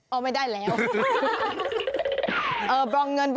เอาไม่ได้แล้ว